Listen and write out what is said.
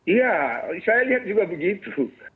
iya saya lihat juga begitu